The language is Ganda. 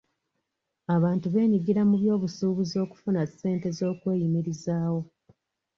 Abantu beenyigira mu byobusuubuzi okufuna ssente z'okweyimirizaawo.